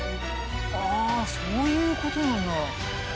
ああそういうことなんだ。